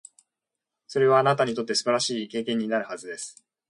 それは、あなたにとって素晴らしい経験になるはずです。